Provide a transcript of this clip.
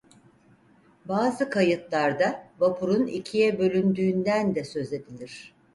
Bazı kayıtlarda vapurun ikiye bölündüğünden de söz edilir.